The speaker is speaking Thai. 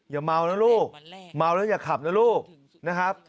อย่าเมานะลูกเมาแล้วอย่าขับนะลูกนะครับ